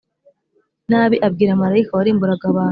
Nabi abwira marayika warimburaga abantu